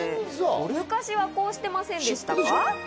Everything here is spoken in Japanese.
昔はこうしてませんでした？